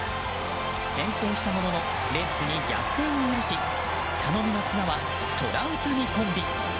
先制したもののレッズに逆転を許し頼みの綱はトラウタニコンビ。